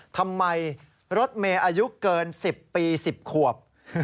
ทำไมรถเมย์อายุเกิน๑๐ปี๑๐ขวบ